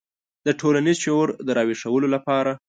د ټولنیز شعور د راویښولو لپاره.